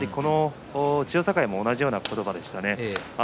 千代栄も同じような言葉でした。